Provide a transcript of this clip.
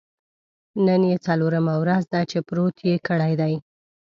نن یې څلورمه ورځ ده چې پروت یې کړی دی.